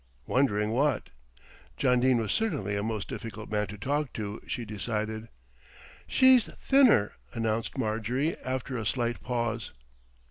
"Wondering what?" John Dene was certainly a most difficult man to talk to, she decided. "She's thinner," announced Marjorie after a slight pause.